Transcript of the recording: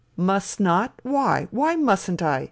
" "Must not, why? Why mustn't I?"